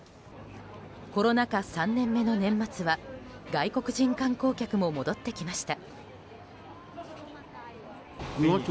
コロナ禍３年目の年末は外国人観光客も戻ってきました。